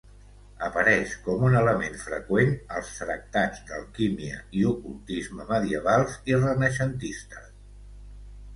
Apareix com un element freqüent als tractats d'alquímia i ocultisme medievals i renaixentistes.